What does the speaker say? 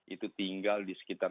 itu tinggal di sekitar